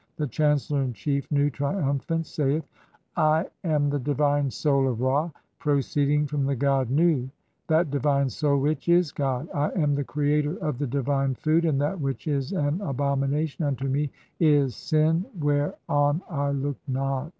The chancellor in chief, Nu, triumphant, saith :— (2) "I am the divine Soul of Ra proceeding from the god Nu ; "that divine Soul which is God, [I am] the creator of the divine "food, and that which is an abomination unto me is sin (3) where "on I look not.